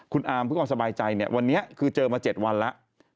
คุณอาร์มเพื่อความสบายใจเนี่ยวันนี้คือเจอมา๗วันแล้ว